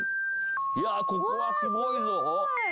いやここはすごいぞ！